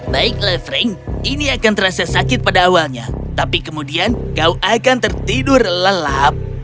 baiklah frank ini akan terasa sakit pada awalnya tapi kemudian kau akan tertidur lelap